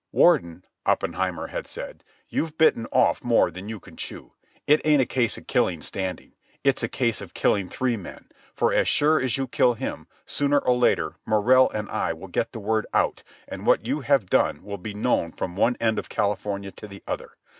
"Warden," Oppenheimer had said, "you've bitten off more than you can chew. It ain't a case of killing Standing. It's a case of killing three men, for as sure as you kill him, sooner or later Morrell and I will get the word out and what you have done will be known from one end of California to the other.